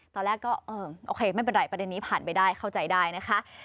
ตอนแรกก็เออโอเคไม่เป็นไรประเด็นนี้ผ่านไปได้เข้าใจได้นะคะ